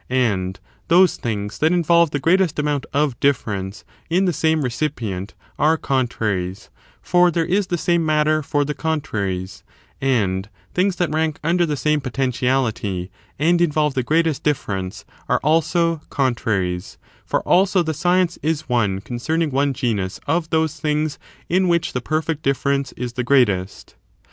And those things that involve the greatest amount of difference in the same recipient are con traries, for there is the same matter for the contraries; and things that rank under the same potentiality, and involye the greatest difference, are also contraries ; for also the science is one concerning one genus of those things in which the perfect difference is the. greatest.